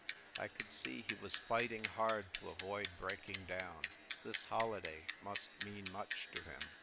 I could see he was fighting hard to avoid breaking down. This holiday must mean much to him.